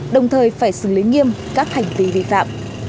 đồng thời phải xử lý nghiêm các hành vi vi phạm